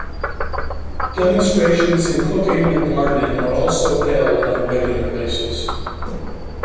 Demonstrations in cooking and gardening are also held on a regular basis.